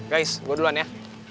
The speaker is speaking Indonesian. guys gue duluan ya